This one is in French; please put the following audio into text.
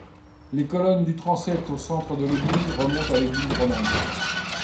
Les colonnes du transept, au centre de l'église, remontent à l'église romane.